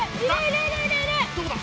どこだ？